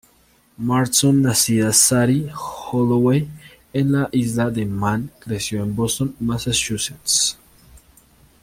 Marston, nacida Sadie Holloway en la Isla de Man, creció en Boston, Massachusetts.